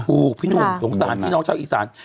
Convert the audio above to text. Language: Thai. อุบลพี่น้องชาวอีสาน